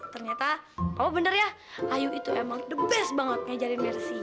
ternyata papa bener ya ayu itu emang the best banget ngajarin mersi